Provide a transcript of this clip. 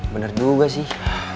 bener juga sih